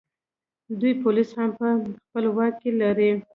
دوی پولیس هم په خپل واک کې لري